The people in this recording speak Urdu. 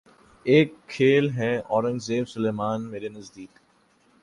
اک کھیل ہے اورنگ سلیماں مرے نزدیک